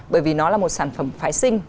bởi vì nó là một sản phẩm phái sinh